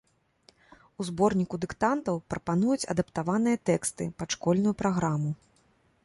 У зборніку дыктантаў прапануюць адаптаваныя тэксты, пад школьную праграму.